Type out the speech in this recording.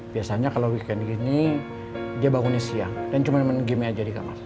biasanya kalau weekend gini dia bangunnya siang dan cuma main gamenya aja di kamar